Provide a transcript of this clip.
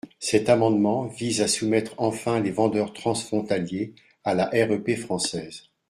Cet amendement vise à soumettre enfin les vendeurs transfrontaliers à la REP française.